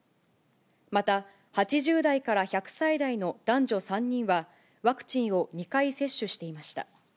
また、８０代から１００歳代の男女３人は、ワクチンを２回接種していました。